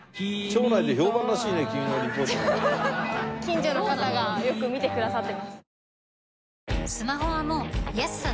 近所の方がよく見てくださってます。